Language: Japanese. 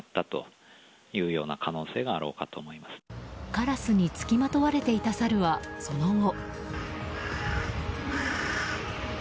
カラスにつきまとわれていたサルはその後。